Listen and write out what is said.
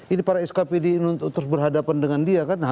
ini para skpd ini untuk terus berhadapan dengan dia kan